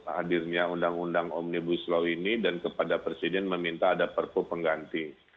hadirnya undang undang omnibus law ini dan kepada presiden meminta ada perpu pengganti